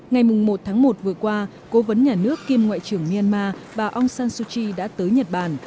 ngày một tháng một vừa qua cố vấn nhà nước kiêm ngoại trưởng myanmar bà aung san suu kyi đã tới nhật bản